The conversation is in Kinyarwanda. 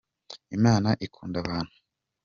Imana ikunda abantu.